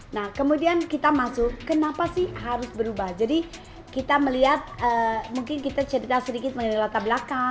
nah kemudian kita masuk kenapa sih harus berubah jadi kita melihat mungkin kita cerita sedikit mengenai latar belakang